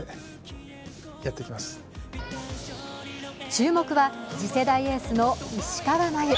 注目は次世代エースの石川真佑。